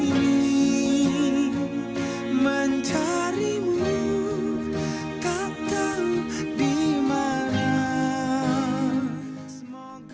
mencarimu tak tahu dimana